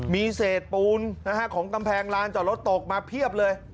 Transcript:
มีเศษปูนของกำแพงลานจอดรถตกมาเพียบเลย